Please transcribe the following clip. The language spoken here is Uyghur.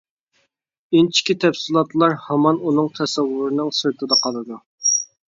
ئىنچىكە تەپسىلاتلار ھامان ئۇنىڭ تەسەۋۋۇرىنىڭ سىرتىدا قالىدۇ.